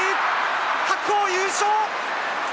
白鵬優勝！